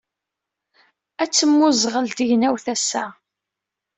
Ad temmuẓɣel tegnawt ass-a